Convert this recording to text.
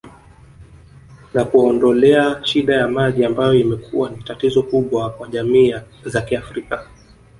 Na kuwaondolea shida ya maji ambayo imekuwa ni tatizo kubwa kwa jamii za kiafrika